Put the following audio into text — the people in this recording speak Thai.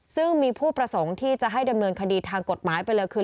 ซึ่งมีผู้ประสงค์ที่จะให้ดำเนินคดีทางกฎหมายไปเลยคือ